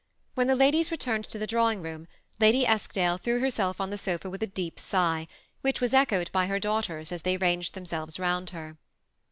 When the ladies returned to the drawing 12* 274 TflC SEBQ ATTACHED COUFLS. Ladj Eskdale threw herself oq the sofa with a deep sigh, which was echoed bj her daughters as they ranged themselves round her.